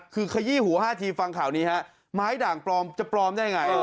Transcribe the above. คือขยี้หู๕ทีฟังข่าวนี้ฮะไม้ด่างปลอมจะปลอมได้ไง